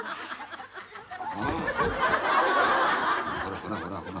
ほらほらほらほら。